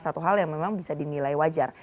satu hal yang memang bisa dinilai wajar